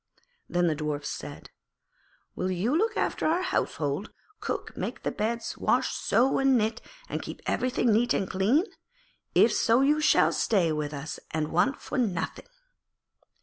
Then the Dwarfs said, 'Will you look after our household, cook, make the beds, wash, sew and knit, and keep everything neat and clean? If so you shall stay with us and want for nothing.'